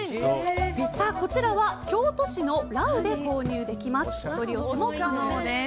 こちらは京都市のＲＡＵで購入できます。